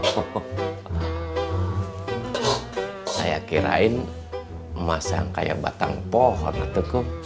saya kirain emas yang kayak batang pohon ya kum